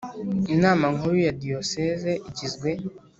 Inama nkuru ya diyoseze igizwe